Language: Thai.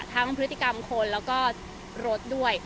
ทั้งพฤติกรรมคนแล้วก็รถด้วย